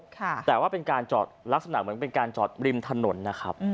แต่ว่าเป็นการจอดลักษณะเหมือนเป็นการจอดริมถนนนะครับ